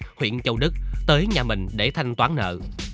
của xã cù bị huyện châu đức tới nhà mình để thanh toán nợ